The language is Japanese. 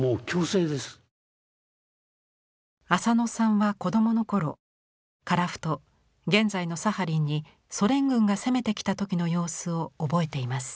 浅野さんは子どもの頃樺太現在のサハリンにソ連軍が攻めてきた時の様子を覚えています。